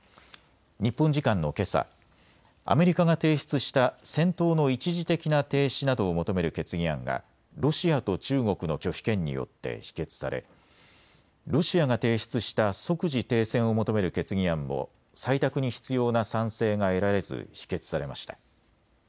日本時間のけさ、アメリカが提出した戦闘の一時的な停止などを求める決議案がロシアと中国の拒否権によって否決されロシアが提出した即時停戦を求める決議案も採択に必要な賛成が得られず否決されました。